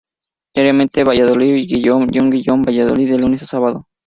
Diariamente un Valladolid-Gijón y un Gijón-Valladolid de lunes a sábado.